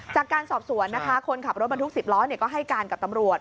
จากการสอบสวนนะคะคนขับรถบรรทุก๑๐ล้อก็ให้การกับตำรวจ